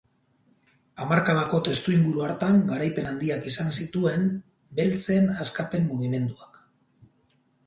Hamarkadako testuinguru hartan garaipen handiak izan zituen beltzen askapen mugimenduak.